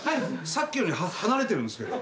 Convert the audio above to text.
さっきより離れてるんですけど。